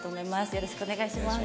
よろしくお願いします。